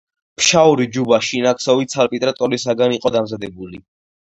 ფშაური ჯუბა შინ ნაქსოვი ცალპირა ტოლისაგან იყო დამზადებული.